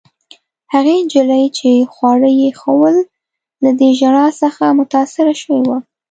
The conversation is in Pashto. هغې نجلۍ، چي خواړه يې ایښوول، له دې ژړا څخه متاثره شوې وه.